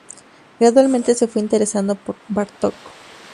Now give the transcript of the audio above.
Gradualmente se fue interesando por Bartók.